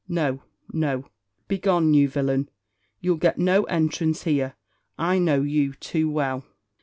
No, no begone you villain you'll get no entrance here I know you too well."